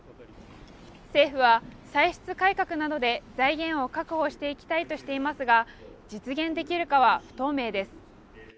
政府は歳出改革などで財源を確保していきたいとしていますが、実現できるかは不透明です。